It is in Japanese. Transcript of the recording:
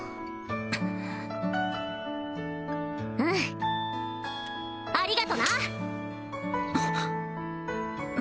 うんありがとな！